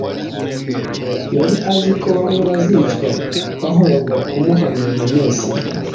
Yari azi ko bamwe bazicwa bahorwa kumuhamya nka Mesiya,